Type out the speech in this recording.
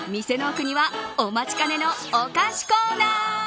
店の奥にはお待ちかねのお菓子コーナー。